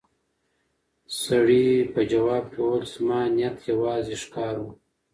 سړي په ځواب کې وویل چې زما نیت یوازې ښکار و.